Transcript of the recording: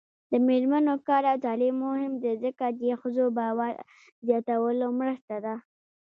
د میرمنو کار او تعلیم مهم دی ځکه چې ښځو باور زیاتولو مرسته ده.